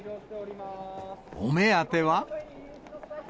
お目当ては。